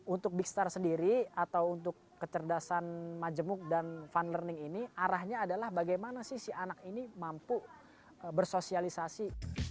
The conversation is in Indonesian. untuk big star sendiri atau untuk kecerdasan majemuk dan fun learning ini arahnya adalah bagaimana sih si anak ini mampu bersosialisasi